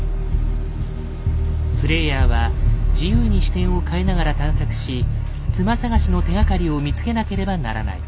プレイヤーは自由に視点を変えながら探索し妻探しの手がかりを見つけなければならない。